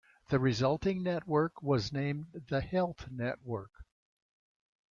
The resulting network was named The Health Network.